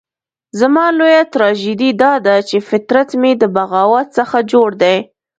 زما لويه تراژیدي داده چې فطرت مې د بغاوت څخه جوړ دی.